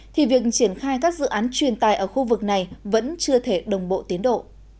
thì việc triển khai các dự án truyền tài ở khu vực này vẫn chưa thể đồng bộ tiến độ